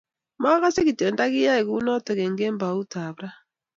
Mokose kityo ndakiyai kunoto eng kemboutab ra